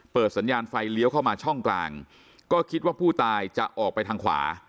สัญญาณไฟเลี้ยวเข้ามาช่องกลางก็คิดว่าผู้ตายจะออกไปทางขวา